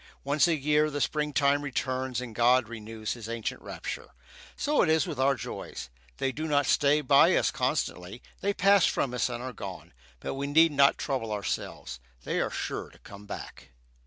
Once a year the springtime returns and "God renews His ancient rapture." So it is with our joys. They do not stay by us constantly; they pass from us and are gone; but we need not trouble ourselves they are sure to come back.